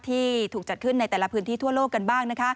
ที่ถูกจัดขึ้นในแต่ละพื้นที่ทั่วโลกกันบ้าง